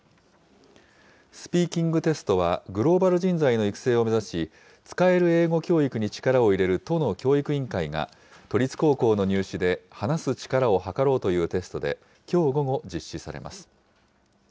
スピーキングテストはグローバル人材の育成を目指し、使える英語教育に力を入れる都の教育委員会が都立高校の入試で話す力をはかろうというテストで、きょう午後、実施されます。